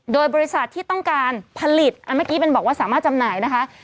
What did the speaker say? โดยบริษัทที่ต้องการผลิตเมื่อกี้เป็นบอกว่าสามารถจำหน่ายนะคะ